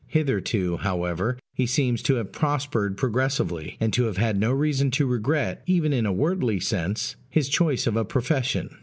Hitherto, however, he seems to have prospered progressively, and to have had no reason to regret, even in a wordly sense, his choice of a profession.